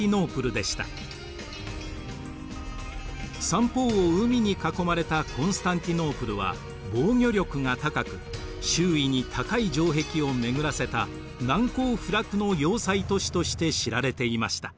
三方を海に囲まれたコンスタンティノープルは防御力が高く周囲に高い城壁を巡らせた難攻不落の要塞都市として知られていました。